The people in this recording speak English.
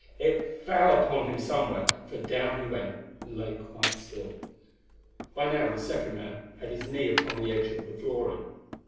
It fell upon him somewhere, for down he went and lay quite still. By now the second man had his knee upon the edge of flooring.